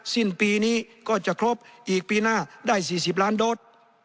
สิ้นปีนี้ก็จะครบอีกปีหน้าได้๔๐ล้านโดส